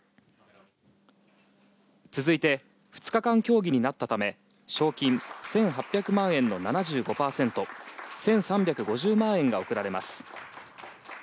続いて、２日間競技になったため賞金１８００万円の７５％１３５０万円が贈られます。